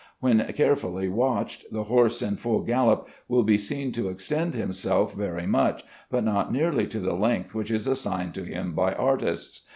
When carefully watched, the horse in full gallop will be seen to extend himself very much, but not nearly to the length which is assigned to him by artists.